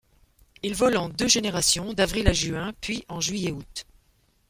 Il vole en deux générations d'avril à juin puis en juillet août.